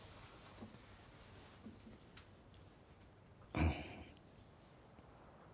あの。